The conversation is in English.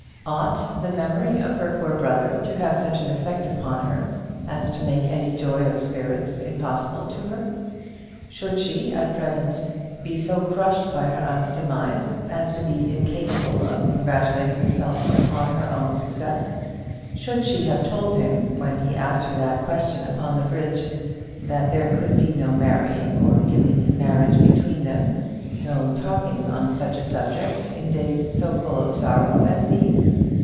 Ought the memory of her poor brother to have such an effect upon her as to make any joy of spirits impossible to her? Should she at the present moment be so crushed by her aunt's demise, as to be incapable of congratulating herself upon her own success? Should she have told him, when he asked her that question upon the bridge, that there could be no marrying or giving in marriage between them, no talking on such a subject in days so full of sorrow as these?